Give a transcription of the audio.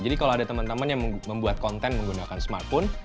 jadi kalau ada teman teman yang membuat konten menggunakan smartphone